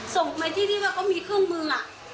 ส่งไปที่ที่ก็มีเครื่องมือ